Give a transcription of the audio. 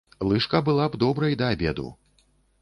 Лыжка была б добрай да абеду.